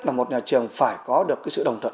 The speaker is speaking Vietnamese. là một nhà trường phải có được cái sự đồng thuận